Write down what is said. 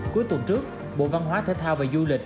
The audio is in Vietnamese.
cuối tuần trước bộ văn hóa thể thao và du lịch